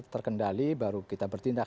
terkendali baru kita bertindak